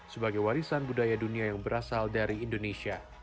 sebagai warisan budaya dunia yang berasal dari indonesia